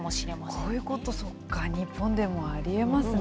こういうこと、そうか、日本でもありえますね。